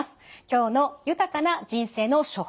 今日の「豊かな人生の処方せん」